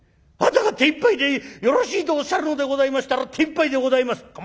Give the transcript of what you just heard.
「あなたが手いっぱいでよろしいとおっしゃるのでございましたら手いっぱいでございます」。